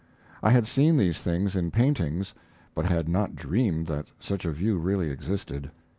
I had seen these things in paintings, but I had not dreamed that such a view really existed.